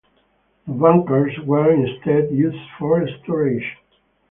The bunkers were instead used for storage.